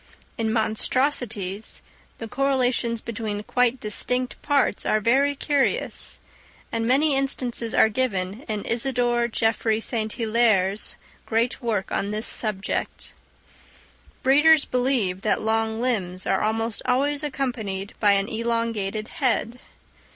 In monstrosities, the correlations between quite distinct parts are very curious; and many instances are given in Isidore Geoffroy St. Hilaire's great work on this subject. Breeders believe that long limbs are almost always accompanied by an elongated head.